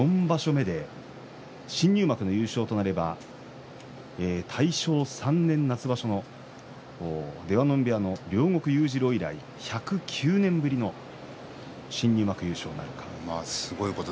４場所目で新入幕の優勝となれば大正３年夏場所の出羽海部屋の両國勇治郎以来１０９年ぶりの新入幕優勝なるかと。